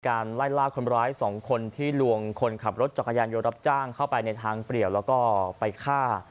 ไล่ลากคนร้ายสองคนที่ลวงคนขับรถจักรยานยนต์รับจ้างเข้าไปในทางเปรียวแล้วก็ไปฆ่า